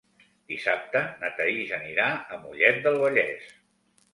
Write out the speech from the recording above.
Dissabte na Thaís anirà a Mollet del Vallès.